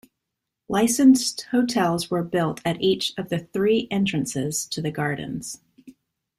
Licensed hotels were built at each of the three entrances to the gardens.